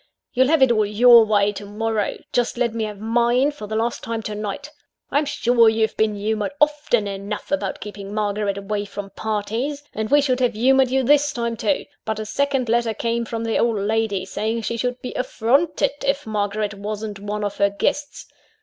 You'll have it all your way to morrow just let me have mine, for the last time, to night. I'm sure you've been humoured often enough about keeping Margaret away from parties and we should have humoured you this time, too; but a second letter came from the old lady, saying she should be affronted if Margaret wasn't one of her guests.